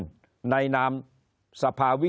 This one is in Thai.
คนในวงการสื่อ๓๐องค์กร